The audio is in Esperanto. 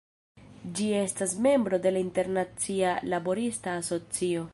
Ĝi estas membro de la Internacia Laborista Asocio.